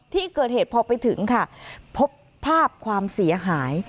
ที่เกิดเหตุพอไปถึงค่ะพบภาพความเสียหาย